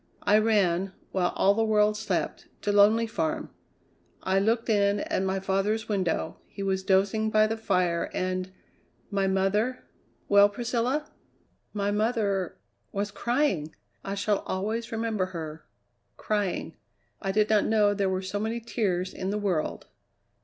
I ran, while all the world slept, to Lonely Farm. I looked in at my father's window; he was dozing by the fire, and my mother " "Well, Priscilla?" "My mother was crying! I shall always remember her crying. I did not know there were so many tears in the world!"